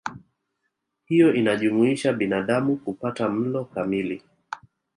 Hiyo inajumuisha binadamu kupata mlo kamili